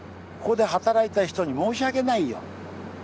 ここで働いた人に申し訳ないよ。